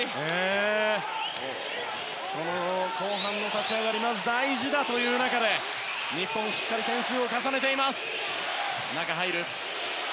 後半の立ち上がりがまず大事だという中で日本、しっかり点数を重ねています。